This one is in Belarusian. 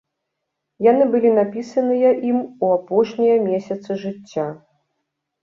Яны былі напісаныя ім у апошнія месяцы жыцця.